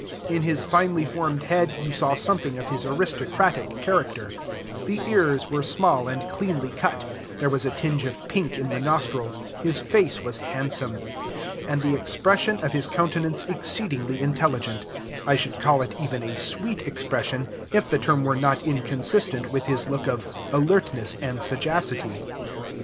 In his finely formed head you saw something of his aristocratic character; the ears were small and cleanly cut, there was a tinge of pink in the nostrils, his face was handsome, and the expression of his countenance exceedingly intelligent I should call it even a sweet expression, if the term were not inconsistent with his look of alertness and sagacity.